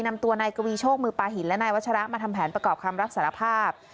นำตัวนายกวีโชคมือปลาหินและนายวัชระมาทำแผนประกอบคำรับสารภาพ